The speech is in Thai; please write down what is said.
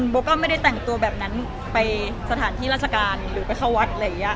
บอกว่าไม่ได้แต่งตัวแบบนั้นไปสถานที่ราชการหรือไปเข้าวัด